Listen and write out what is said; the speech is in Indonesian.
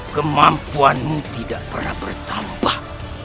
kemampuanmu tidak pernah bertambah